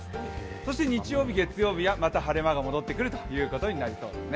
そして日曜日、月曜日はまた晴れ間が戻ってくるという感じですね。